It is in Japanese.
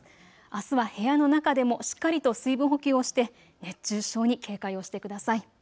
あすは部屋の中でも、しっかりと水分補給をして熱中症に警戒をしてください。